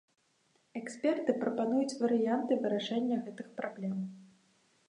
Эксперты прапануюць варыянты вырашэння гэтых праблем.